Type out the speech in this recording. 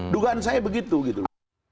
dugaan saya begitu gitu